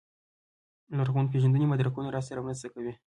لرغونپېژندنې مدرکونه راسره مرسته کوي.